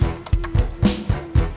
ya ini lagi serius